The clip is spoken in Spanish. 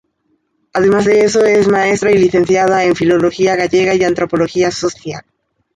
Además de eso, es maestra y licenciada en filología gallega y antropología social.